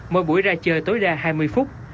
mỗi buổi ra chơi tối đa hai mươi phút